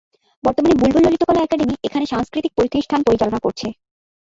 বর্তমানে বুলবুল ললিতকলা একাডেমি এখানে সাংস্কৃতিক প্রতিষ্ঠান পরিচালনা করছে।